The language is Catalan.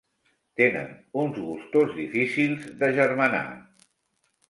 Tenen uns gustos difícils d'agermanar.